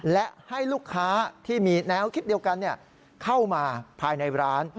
และให้ลูกค้าที่มีแนวคิดเดียวกันเข้ามาภายในร้าน